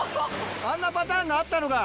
あんなパターンがあったのか。